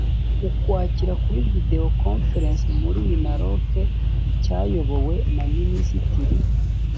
ukwakira kuri video conference muri minaloc cyayobowe na minisitiri